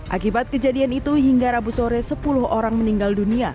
akibat kejadian itu hingga rabu sore sepuluh orang meninggal dunia